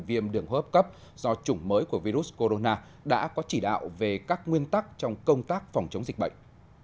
viêm đường hốp cấp do chủng mới của virus corona đã có chỉ đạo về các nguyên tắc trong công tác phòng chống dịch bệnh